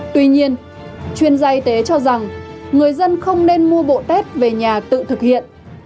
tuy nhiên chuyên gia y tế cho rằng người dân không nên mua bộ test về nhà tự thực hiện